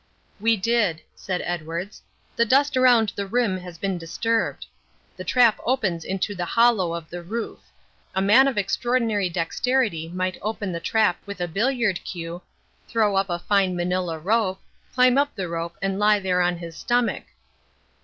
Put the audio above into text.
"We did," said Edwards. "The dust around the rim has been disturbed. The trap opens into the hollow of the roof. A man of extraordinary dexterity might open the trap with a billiard cue, throw up a fine manila rope, climb up the rope and lie there on his stomach.